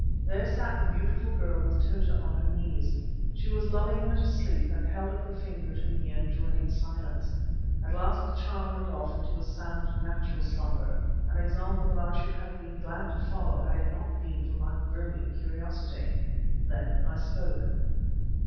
There sat the beautiful girl with Tota on her knees. She was lulling her to sleep, and held up her finger to me enjoining silence. At last the child went off into a sound natural slumber—an example that I should have been glad to follow had it not been for my burning curiosity. Then I spoke.